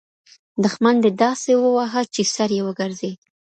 دښمن دې داسې ووهه چي سر یې وګرځي.